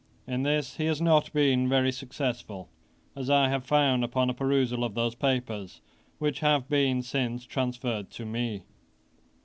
In this he has not been very successful, as I have found upon a perusal of those papers, which have been since transferred to me.